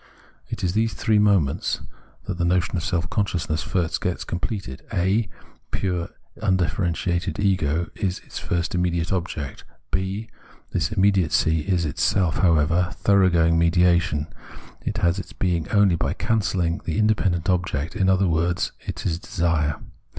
It is in these three moments that the notion of seK consciousness first gets completed : (a) pure undifferenti ated ego is its first inmaediate object. (&) This immediacy is itself, however, thoroughgoing mediation ; it has its being only by cancelling the independent object, in other words it is Desire.